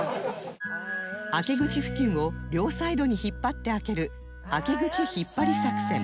開け口付近を両サイドに引っ張って開ける開け口引っ張り作戦